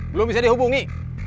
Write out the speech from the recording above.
belum bisa dihubungi